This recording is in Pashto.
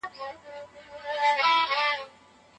ډاکټر زموږ پاڼه وړاندي کوي.